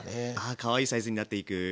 あかわいいサイズになっていく。